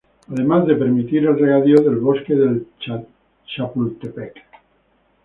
Además de permitir el regadío del Bosque de Chapultepec.